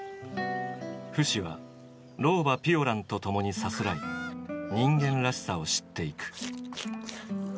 フシは老婆ピオランと共にさすらい人間らしさを知っていく。